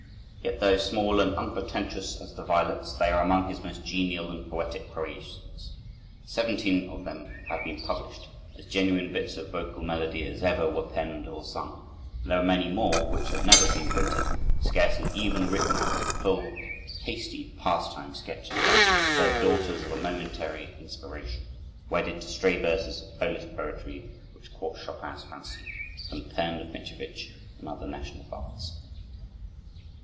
Yet, though small and unpretentious as the violets, they are among his most genial and poetic creations. Seventeen of them have been published, as genuine bits of vocal melody as ever were penned or sung; and there are many more which have never been printed, scarcely even written out in full; hasty pastime sketches, the fair daughters of a momentary inspiration, wedded to stray verses of Polish poetry which caught Chopin's fancy, from the pen of Mickiewicz and other national bards.